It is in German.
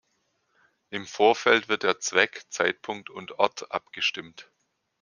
Im Vorfeld wird der Zweck, Zeitpunkt und Ort abgestimmt.